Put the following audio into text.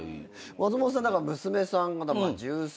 松本さん娘さんが１３。